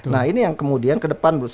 nah ini yang kemudian ke depan gus